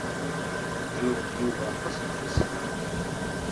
Yuɣ-d Yuba aṭas n tbeṣlin.